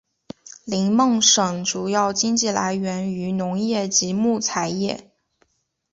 林梦省主要经济来源于农业及木材业。